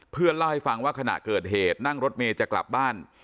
เล่าให้ฟังว่าขณะเกิดเหตุนั่งรถเมย์จะกลับบ้าน